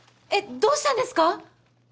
どうしたんですか？